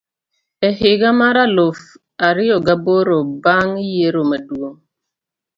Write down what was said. e higa mar eluf ariyo gi aboro bang ' yiero maduong '.